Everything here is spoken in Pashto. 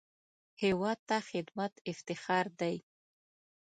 هېواد ته خدمت افتخار دی